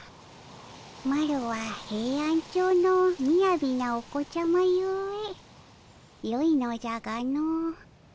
マロはヘイアンチョウのみやびなお子ちゃまゆえよいのじゃがの。